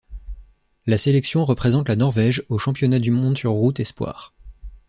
La sélection représente la Norvège aux championnats du monde sur route espoirs.